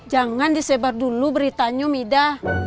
jangan disebar dulu beritanya om ida